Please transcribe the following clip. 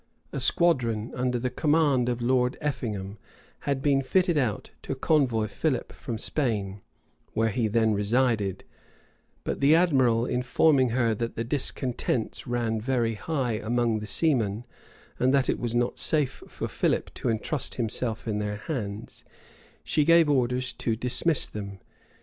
A squadron, under the command of Lord Effingham, had been fitted out to convoy Philip from Spain, where he then resided; but the admiral informing her that the discontents ran very high among the seamen, and that it was not safe for Philip to intrust himself in their hands, she gave orders to dismiss them.